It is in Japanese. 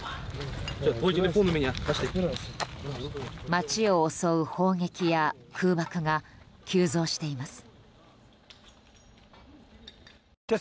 街を襲う砲撃や空爆が急増しています。